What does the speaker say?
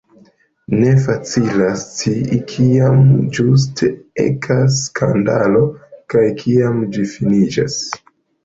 Ne facilas scii, kiam ĝuste ekas skandalo, kaj kiam ĝi finiĝas.